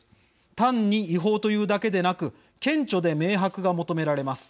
単に違法というだけでなく「顕著で明白」が求められます。